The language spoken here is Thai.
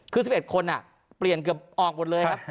คือ๑๑คนเปลี่ยนเกือบออกหมดเลยครับ